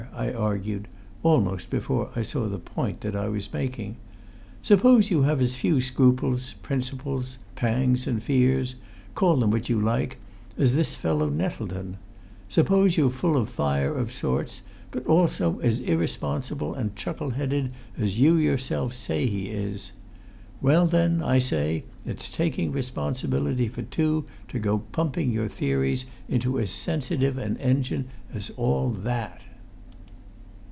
I argued, almost before I saw the point that I was making. "Suppose you have as few scruples, principles, 'pangs and fears' call them what you like as this fellow Nettleton. Suppose you're full of fire of sorts, but also as irresponsible and chuckle headed as you yourself say he is. Well, then, I say, it's taking responsibility for two to go pumping your theories into as sensitive an engine as all that!"